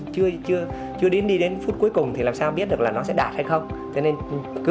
chưa chưa chưa đến đi đến phút cuối cùng thì làm sao biết được là nó sẽ đạt hay không cho nên cứ